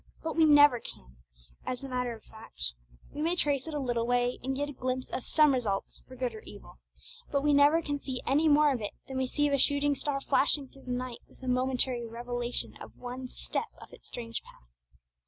But we never can, as a matter of fact. We may trace it a little way, and get a glimpse of some results for good or evil; but we never can see any more of it than we can see of a shooting star flashing through the night with a momentary revelation of one step of its strange path.